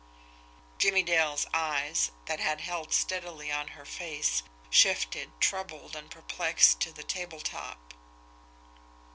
Jimmie Dale's eyes, that had held steadily on her face, shifted, troubled and perplexed, to the table top.